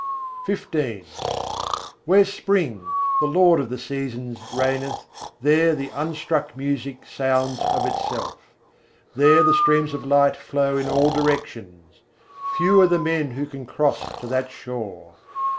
XV II. 57. jânh khelat vasant riturâj Where Spring, the lord of the seasons, reigneth, there the Unstruck Music sounds of itself, There the streams of light flow in all directions; Few are the men who can cross to that shore!